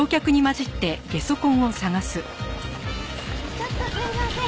ちょっとすいません。